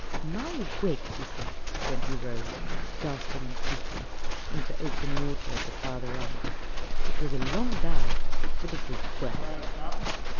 "My wig!" he said, when he rose, gasping and puffing, into open water at the farther end. "It was a long dive, but it was worth it."